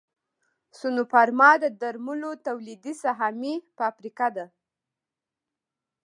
سنوفارما د درملو تولیدي سهامي فابریکه ده